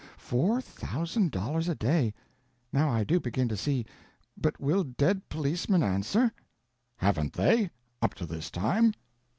F o u r thousand dollars a day. Now I do begin to see! But will dead policemen answer?" "Haven't they—up to this time?"